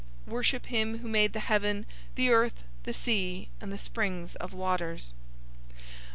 Worship him who made the heaven, the earth, the sea, and the springs of waters!"